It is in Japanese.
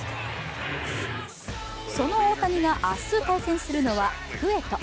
その大谷が明日、対戦するのはクエト。